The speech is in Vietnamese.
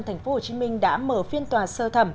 tp hcm đã mở phiên tòa sơ thẩm